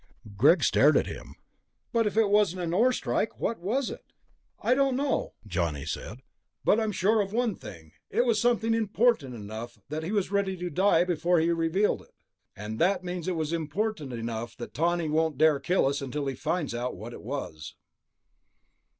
Greg stared at him. "But if it wasn't an ore strike, what was it?" "I don't know," Johnny said. "But I'm sure of one thing ... it was something important enough that he was ready to die before he'd reveal it. And that means it was important enough that Tawney won't dare kill us until he finds out what it was."